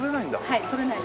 はい。